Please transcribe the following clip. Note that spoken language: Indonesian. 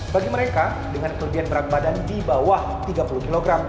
bagi mereka dengan kelebihan berat badan di bawah tiga puluh kg